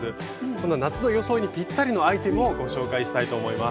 そんな夏の装いにピッタリのアイテムをご紹介したいと思います。